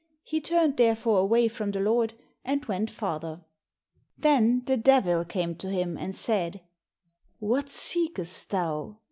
He turned therefore away from the Lord, and went farther. Then the Devil came to him and said, "What seekest thou?